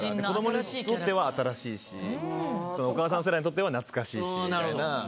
子どもにとっては新しいしお母さん世代にとっては懐かしいしみたいな。